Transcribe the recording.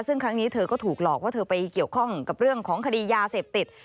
ซึ่งครั้งนี้เธอก็ถูกหลอกว่าเธอไปเกี่ยวข้องกับเรื่องของคดียาเสพติด